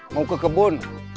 mau ke kebun